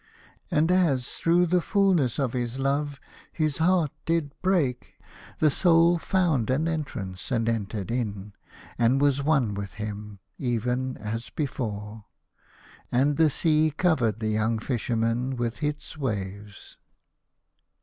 And as through the fulness of his love his heart did break, the Soul found an entrance and entered in, and was one with him even as before. And the sea covered the young Fisherman with its waves.